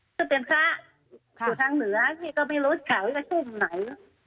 ชื่อเป็นคะสู่ทางเหนือพี่ก็ไม่รู้เขาชุ่มไหน